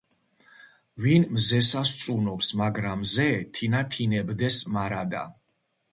ვინ მზესა სწუნობს, მაგრამ მზე თინათინებდეს მარადა.